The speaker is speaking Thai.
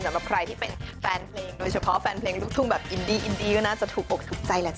สำหรับใครที่เป็นแฟนเพลงโดยเฉพาะแฟนเพลงลูกทุ่งแบบอินดีอินดีก็น่าจะถูกอกถูกใจแหละจ